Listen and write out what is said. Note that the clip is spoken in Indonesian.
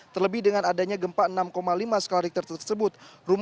terlebih dengan adanya gempa enam lima skala richter tersebut